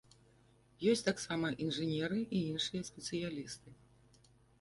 Ёсць таксама інжынеры і іншыя спецыялісты.